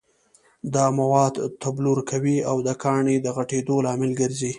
دا مواد تبلور کوي او د کاڼي د غټېدو لامل ګرځي.